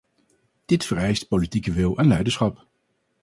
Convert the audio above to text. Dit vereist politieke wil en leiderschap.